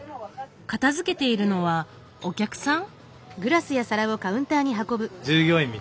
片づけているのはお客さん？